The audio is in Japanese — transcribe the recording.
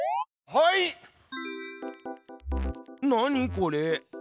これ。